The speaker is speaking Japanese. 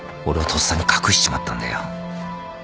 俺はとっさに隠しちまったんだよ。